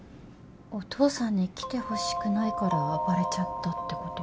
お父さんに来てほしくないから暴れちゃったってこと？